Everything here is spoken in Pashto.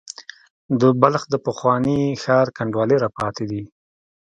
د بلخ د پخواني ښار کنډوالې را پاتې دي.